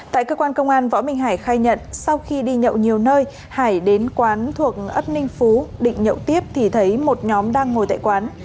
tại cơ quan công an võ minh hải khai nhận sau khi đi nhậu nhiều nơi hải đến quán thuộc ấp ninh phú định nhậu tiếp thì thấy một nhóm đang ngồi tại quán